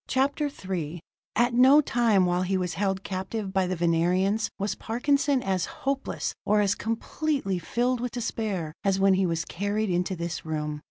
CHAPTER III At no time while he was held captive by the Venerians was Parkinson as hopeless, or as completely filled with despair as when he was carried into this room.